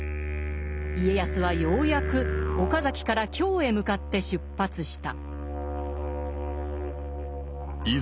家康はようやく岡崎から京へ向かって出発した。